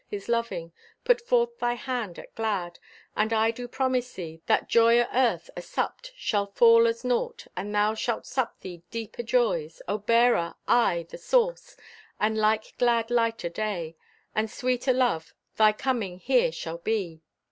His loving! Put forth thy hand at glad, and I do promise thee That Joy o' earth asupped shall fall as naught, And thou shalt sup thee deep o' joys, O' Bearer, aye, and Source; and like glad light o' day And sweet o' love, thy coming here shall be!